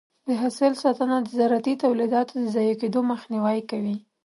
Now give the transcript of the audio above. د حاصل ساتنه د زراعتي تولیداتو د ضایع کېدو مخنیوی کوي.